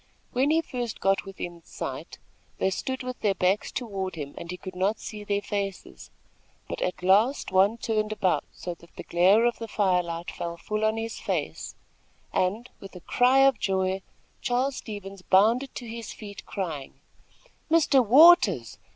When he first got within sight they stood with their backs toward him and he could not see their faces; but at last one turned about so that the glare of the fire light fell full on his face, and, with a cry of joy, Charles Stevens bounded to his feet, crying: "Mr. Waters!